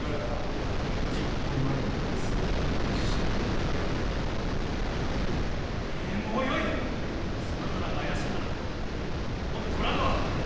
そなたらが怪しいなどとは思っておらぬわ！